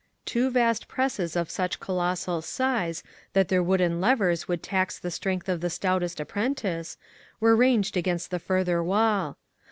Two vast presses of such colossal size that their wooden levers would tax the strength of the stoutest apprentice, were ranged against the further wall.